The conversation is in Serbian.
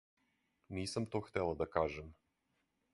Нисам то хтела да кажем.